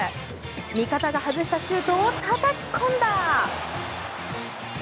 味方が外したシュートをたたき込んだ！